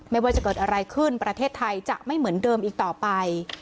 ไม่ว่าจะเกิดอะไรขึ้นประเทศไทยจะไม่เหมือนเดิมอีกต่อไป